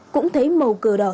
cũng thấy màu cờ đỏ